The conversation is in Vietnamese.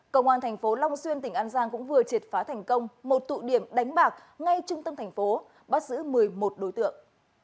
công an tp long xuyên tỉnh an giang cũng vừa triệt phá thành công một tụ điểm đánh bạc ngay trung tâm tp bắt giữ một mươi một đối tượng